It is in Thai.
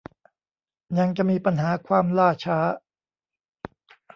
ยังจะมีปัญหาความล่าช้า